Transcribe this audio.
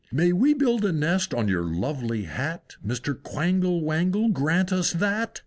May we build a nest on your lovely Hat? Mr. Quangle Wangle, grant us that!